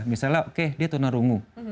misalnya oke dia tuna rungu